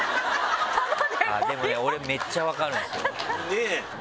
でも俺めっちゃ分かるんですよ。